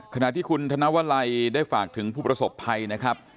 ขณะที่คุณธนวลัยได้ฝากถึงผู้ประสบภัยนะครับ